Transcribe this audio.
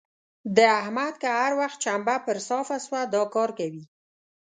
د احمد که هر وخت چمبه پر صافه سوه؛ دا کار کوي.